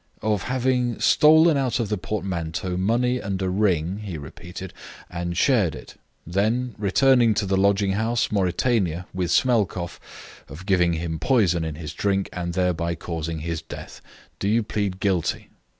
"Of having stolen out of the portmanteau money and a ring," he repeated, "and shared it. Then, returning to the lodging house Mauritania with Smelkoff, of giving him poison in his drink, and thereby causing his death. Do you plead guilty?"